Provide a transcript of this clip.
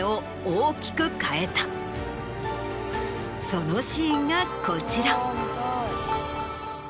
そのシーンがこちら。